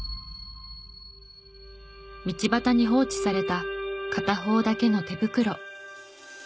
道端に放置された片方だけの手袋。